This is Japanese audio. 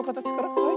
はい。